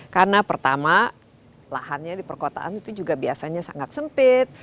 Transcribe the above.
karena pertama lahannya di perkotaan itu juga biasanya sangat sempit